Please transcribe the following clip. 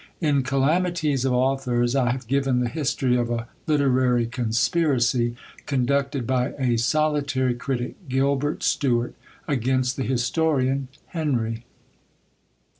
In "Calamities of Authors" I have given the history of a literary conspiracy, conducted by a solitary critic, GILBERT STUART, against the historian HENRY.